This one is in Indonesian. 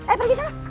eh pergi sana